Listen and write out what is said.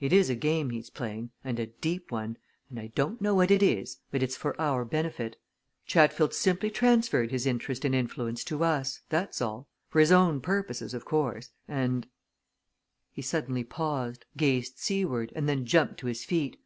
It is a game he's playing, and a deep one, and I don't know what it is, but it's for our benefit Chatfield's simply transferred his interest and influence to us that's all. For his own purposes, of course. And" he suddenly paused, gazed seaward, and then jumped to his feet.